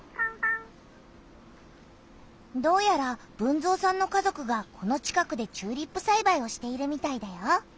どうやら豊造さんの家族がこの近くでチューリップさいばいをしているみたいだよ。